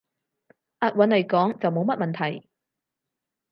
押韻來講，就冇乜問題